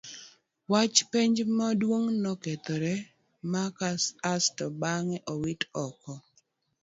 Wach penj maduong' ne okethore ma asto bang'e owite oko.